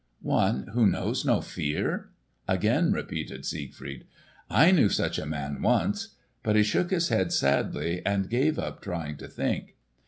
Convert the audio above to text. "One who knows no fear?" again repeated Siegfried. "I knew such a man once." But he shook his head sadly and gave up trying to think.